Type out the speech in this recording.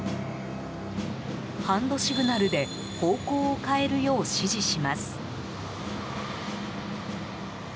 ハンドシグナルで方向を変えるよう指示します。